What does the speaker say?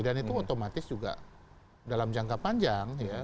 dan itu otomatis juga dalam jangka panjang ya